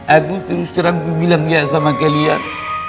aku terus terangku bilang ya sama kalian